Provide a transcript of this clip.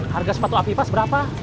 harga sepatu aviva seberapa